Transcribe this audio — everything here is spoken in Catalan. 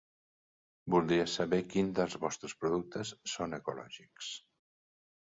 Voldria saber quins dels vostres productes són ecològics.